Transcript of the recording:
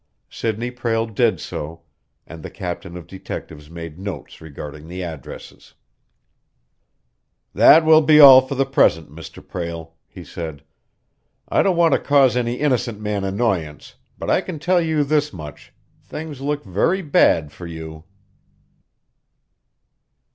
Sidney Prale did so, and the captain of detectives made notes regarding the addresses. "That will be all for the present, Mr. Prale," he said. "I don't want to cause any innocent man annoyance, but I can tell you this much things look very bad for you!"